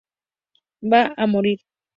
Va a morir.